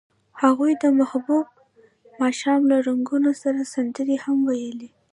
هغوی د محبوب ماښام له رنګونو سره سندرې هم ویلې.